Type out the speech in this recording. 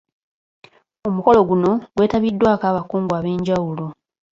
Omukolo guno gwetabiddwako abakungu ab'enjawulo